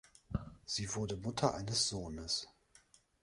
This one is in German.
Sie wurde Mutter eines Sohnes.